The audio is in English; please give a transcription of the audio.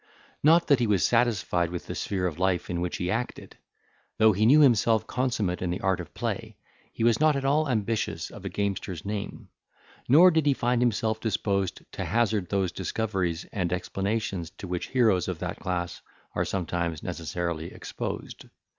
Not that he was satisfied with the sphere of life in which he acted; though he knew himself consummate in the art of play, he was not at all ambitious of a gamester's name; nor did he find himself disposed to hazard those discoveries and explanations to which heroes of that class are sometimes necessarily exposed.